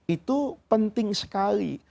itu penting sekali